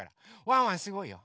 ワンワンすごいよ。